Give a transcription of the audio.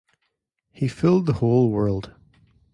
He fooled the whole world.